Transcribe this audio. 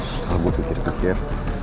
setelah gue pikir pikir